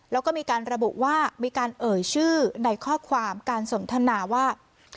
แล้วก็มีการระบุว่ามีการเอ่ยชื่อในข้อความการสนทนาว่า